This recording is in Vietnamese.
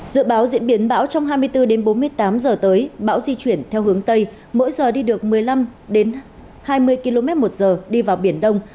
dự báo diễn biến bão trong hai mươi bốn đến bốn mươi tám giờ tới bão di chuyển theo hướng tây mỗi giờ đi được một mươi năm hai mươi km một giờ đi vào biển đông